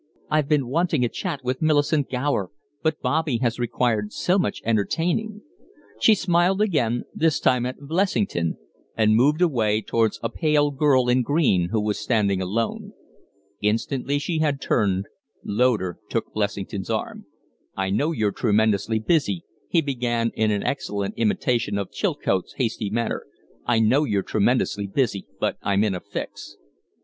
"I've been wanting a chat with Millicent Gower, but Bobby has required so much entertaining " She smiled again, this time at Blessington, and moved away towards a pale girl in green who was standing alone. Instantly she had turned Loder took Blessington's arm. "I know you're tremendously busy," he began in an excellent imitation of Chilcote's hasty manner "I know you're tremendously busy, but I'm in a fix."